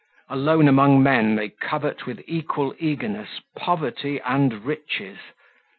Alone among men they covet with equal eagerness poverty and riches.